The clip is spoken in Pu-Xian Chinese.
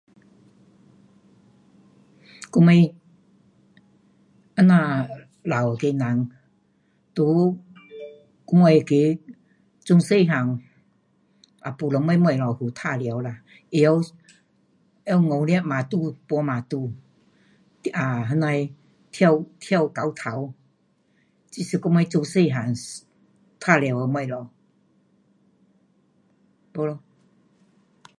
我们这样老的人，在我们那个从小个，也没什么东西好玩耍啦，会晓拿五粒 batu 跳 batu, 你啊那样的跳到头，这是我们做小个玩耍的东西。没咯